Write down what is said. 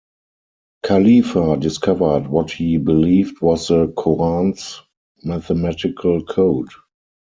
Khalifa discovered what he believed was the Qur'an's mathematical code.